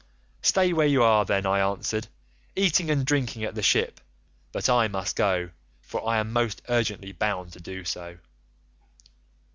"'Stay where you are, then,' answered I, 'eating and drinking at the ship, but I must go, for I am most urgently bound to do so.